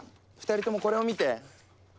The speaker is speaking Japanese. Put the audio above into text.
２人ともこれを見て！